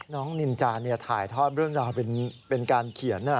นินจาถ่ายทอดเรื่องราวเป็นการเขียน